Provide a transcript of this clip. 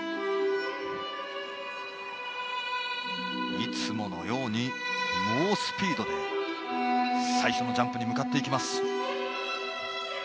いつものように猛スピードで最初のジャンプに向かっていきます。